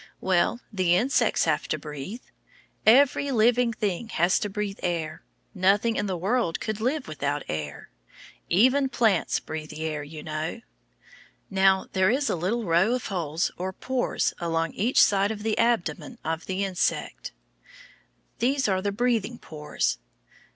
Well, the insects have to breathe air. Every living thing has to breathe air. Nothing in the world could live without air. Even plants breathe the air, you know. Now, there is a little row of holes or pores along each side of the abdomen of the insect. These are the breathing pores.